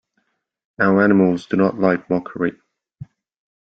Now animals do not like mockery.